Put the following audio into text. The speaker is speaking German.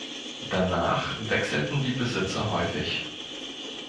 Danach wechselten die Besitzer häufig.